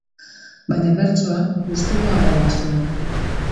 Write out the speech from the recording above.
Baina bertsoa gustukoago zuen.